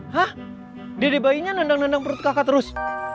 hah diri bayinya nendang nendang perut kakak terus